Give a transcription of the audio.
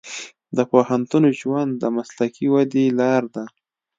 د پوهنتون ژوند د مسلکي ودې لار ده.